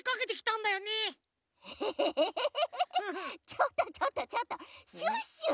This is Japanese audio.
ちょっとちょっとちょっとシュッシュ！